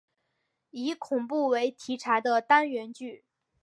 以恐怖为题材的单元剧。